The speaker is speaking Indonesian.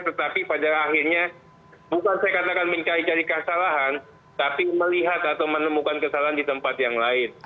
tetapi pada akhirnya bukan saya katakan mencari cari kesalahan tapi melihat atau menemukan kesalahan di tempat yang lain